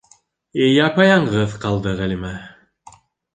Япа-яңғыҙ ҡалды Ғәлимә!